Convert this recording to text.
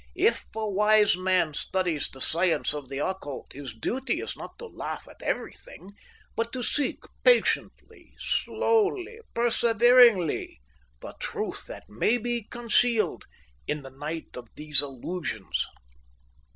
"If a wise man studies the science of the occult, his duty is not to laugh at everything, but to seek patiently, slowly, perseveringly, the truth that may be concealed in the night of these illusions."